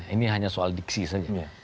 ini hanya soal diksi saja